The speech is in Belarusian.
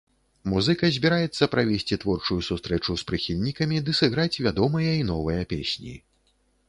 Музыка збіраецца правесці творчую сустрэчу з прыхільнікамі ды сыграць вядомыя і новыя песні.